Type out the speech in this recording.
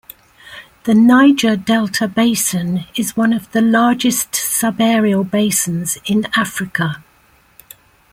The Niger delta basin is one of the largest subaerial basins in Africa.